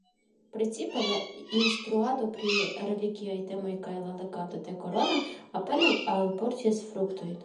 Precipe la instruado pri religiaj temoj kaj la legado de Korano apenaŭ alportis fruktojn.